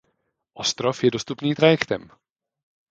Ostrov je dostupný trajektem.